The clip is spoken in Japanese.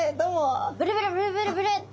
ブルブルブルブルブルって。